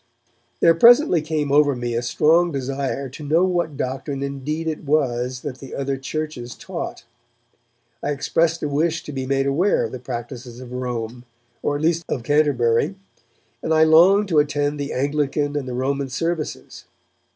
There presently came over me a strong desire to know what doctrine indeed it was that the other Churches taught. I expressed a wish to be made aware of the practices of Rome, or at least of Canterbury, and I longed to attend the Anglican and the Roman services.